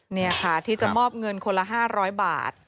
นี่ค่ะที่จะมอบเงินคนละ๕๐๐บาท